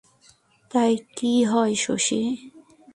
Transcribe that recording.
তাই কী হয় শশী?